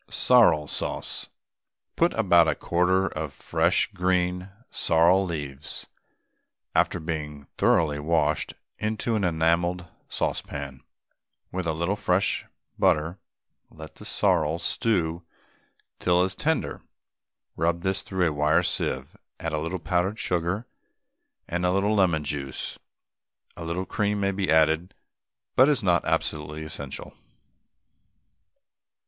SORREL SAUCE. Put about a quart of fresh green sorrel leaves (after being thoroughly washed) into an enamelled saucepan, with a little fresh butter, and let the sorrel stew till it is tender. Rub this through a wire sieve, add a little powdered sugar and a little lemon juice; a little cream may be added, but is not absolutely essential.